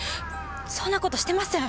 そんな事してません！